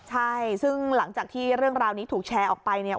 ใช่ซึ่งหลังจากที่เรื่องราวนี้ถูกแชร์ออกไปเนี่ย